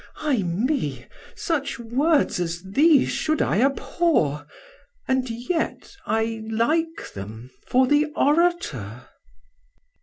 Ay me! such words as these should I abhor, And yet I like them for the orator."